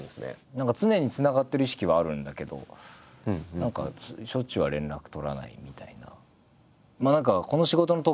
何か常につながってる意識はあるんだけど何かしょっちゅうは連絡取らないみたいな。